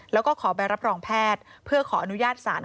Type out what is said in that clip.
แล้วก็ขอใบรับรองแพทย์เพื่อขออนุญาตสาร